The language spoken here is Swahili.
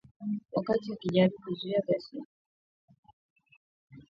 wakati akijaribu kuzuia ghasia za magenge zilizokuwa zimezikumba jamii za makazi ya rasi